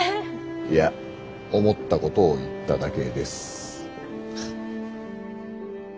いや思ったことを言っただけです。